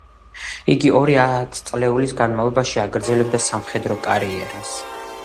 იგი ორი ათწლეულის განმავლობაში აგრძელებდა სამხედრო კარიერას.